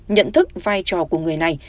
nhận thức vai trò của người này